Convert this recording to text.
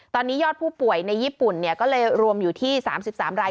ตอนนี้ยอดผู้ป่วยในญี่ปุ่นก็เลยรวมอยู่ที่๓๓ราย